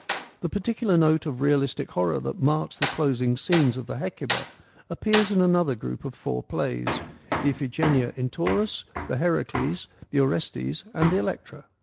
The particular note of realistic horror that marks the closing scenes of the Hecuba appears in another group of four plays, the Iphigenia in Tauris, the Heracles, the Orestes and the Electra.